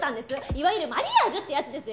いわゆるマリアージュってやつですよ。